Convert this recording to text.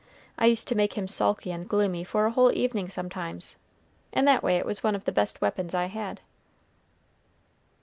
I used to make him sulky and gloomy for a whole evening sometimes. In that way it was one of the best weapons I had."